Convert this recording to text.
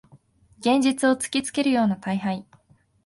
現実を突きつけるような大敗